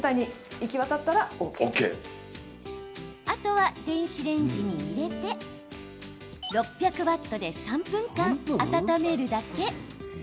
あとは、電子レンジに入れて６００ワットで３分間温めるだけ。